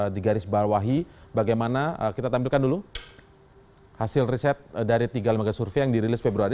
digarisbawahi bagaimana kita tampilkan dulu hasil riset dari tiga lembaga survei yang dirilis februari